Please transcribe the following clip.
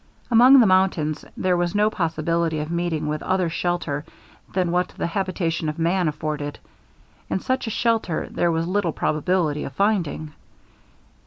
Among the mountains there was no possibility of meeting with other shelter than what the habitation of man afforded, and such a shelter there was little probability of finding.